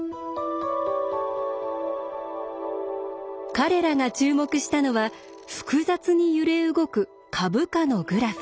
彼らが注目したのは複雑に揺れ動く株価のグラフ。